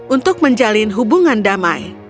untuk menjalin hubungan damai